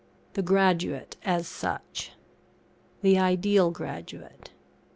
[THE GRADUATE AS SUCH.] THE IDEAL GRADUATE.